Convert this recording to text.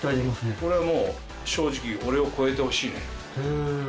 これはもう正直俺を越えてほしいね。